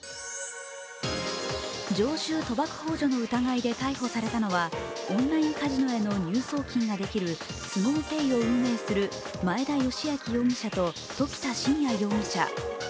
常習賭博ほう助の疑いで逮捕されたのはオンラインカジノへの入送金ができるスモウペイを運営する前田由顕容疑者と時田慎也容疑者。